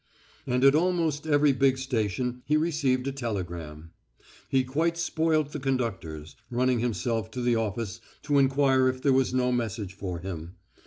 And at almost every big station he received a telegram. He quite spoilt the conductors running himself to the office to inquire if there was no message for him.